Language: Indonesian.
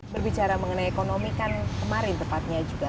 berbicara mengenai ekonomi kan kemarin tepatnya juga